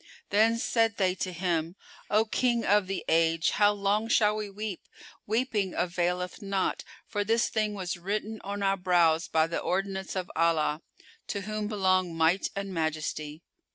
Then said they to him, "O King of the Age, how long shall we weep? Weeping availeth not; for this thing was written on our brows by the ordinance of Allah, to whom belong Might and Majesty.